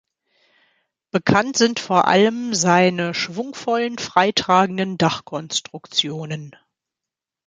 Bekannt sind vor allem seine schwungvollen frei tragenden Dachkonstruktionen.